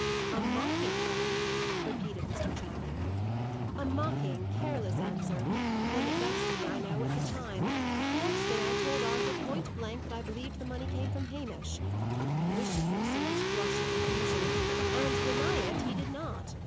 "A mocking one!" repeated Mr. Channing. "A mocking, careless answer; one that vexed me, I know, at the time. The next day I told Arthur, point blank, that I believed the money came from Hamish. I wish you could have seen his flush of confusion! and, deny it, he did not.